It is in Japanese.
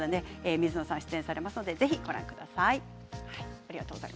水野さんも出演されますのでぜひご覧ください。